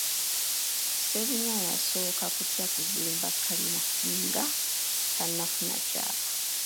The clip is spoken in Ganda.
Ssebunya yasooka kutya kuzimba kalina nga tannafuna kyapa.